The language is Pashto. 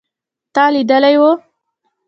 تا لیدلی و